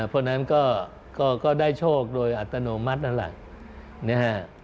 เพราะฉะนั้นก็ได้โชคโดยอัตโนมัตินั่นแหละนะฮะ